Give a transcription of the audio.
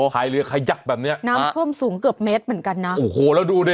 หายเรือขยักแบบเนี้ยน้ำท่วมสูงเกือบเมตรเหมือนกันนะโอ้โหแล้วดูดิ